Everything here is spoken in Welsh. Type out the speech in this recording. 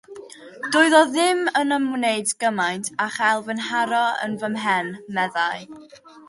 “Doedd o ddim yn ymwneud gymaint â chael fy nharo yn fy mhen,” meddai.